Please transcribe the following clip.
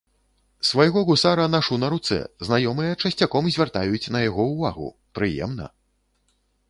Свайго гусара нашу на руцэ, знаёмыя часцяком звяртаюць на яго ўвагу, прыемна!